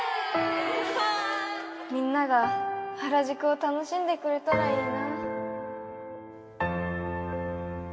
みんなが原宿を楽しんでくれたらいいな。